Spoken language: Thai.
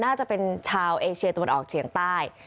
น่าจะเป็นชาวเอเชียตะวันออกเฉียงใต้